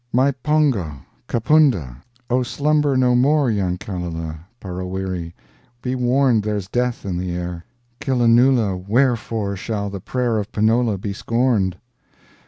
Mypongo, Kapunda, O slumber no more Yankalilla, Parawirra, be warned There's death in the air! Killanoola, wherefore Shall the prayer of Penola be scorned?